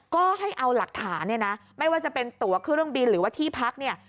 ก็ให้เอาหลักฐานเนี่ยนะไม่ว่าจะเป็นตัวเครื่องบินหรือว่าที่พักเนี่ย